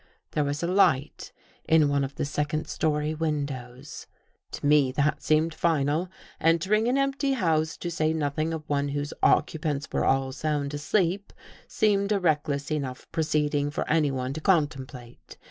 There was a light in one of the second story windows. To me, that seemed final. Entering an empty house, to say nothing of one whose occupants were all sound asleep, seemed a reckless enough proceeding for anyone to contemplate.